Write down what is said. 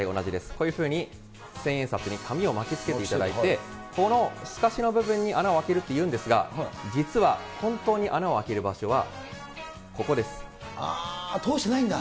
こういうふうに千円札に紙を巻きつけていただいて、この部分に穴を開けるって言うんですが、実は本当に穴を開ける場通してないんだ。